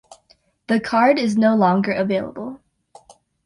The card is no longer available.